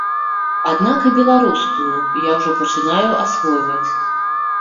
Аднак і беларускую я ўжо пачынаю асвойваць.